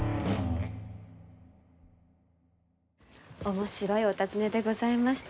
面白いお尋ねでございました。